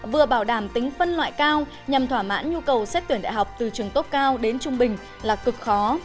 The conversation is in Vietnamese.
vừa bảo đảm tính phân loại cao nhằm thỏa mãn nhu cầu xét tuyển đại học từ trường tốt cao đến trung bình là cực khó